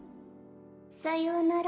さようなら